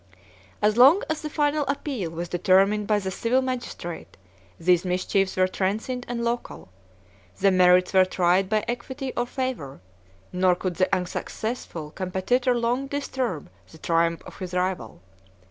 As long as the final appeal was determined by the civil magistrate, these mischiefs were transient and local: the merits were tried by equity or favor; nor could the unsuccessful competitor long disturb the triumph of his rival.